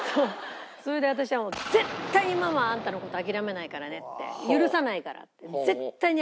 それで私はもう絶対にママはあんたの事諦めないからねって許さないからって絶対に諦めない。